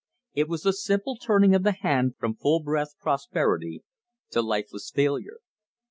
It was the simple turning of the hand from full breathed prosperity to lifeless failure.